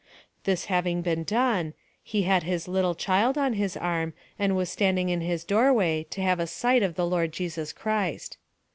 "This having been done, he had his little child on his arm, and was standing in his doorway, to have a sight of the Lord Jesus Christ.